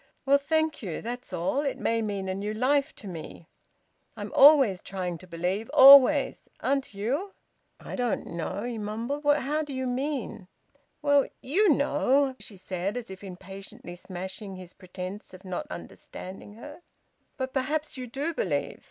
"Well, thank you. That's all. It may mean a new life to me. I'm always trying to believe; always! Aren't you?" "I don't know," he mumbled. "How do you mean?" "Well you know!" she said, as if impatiently smashing his pretence of not understanding her. "But perhaps you do believe?"